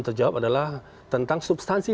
terjawab adalah tentang substansi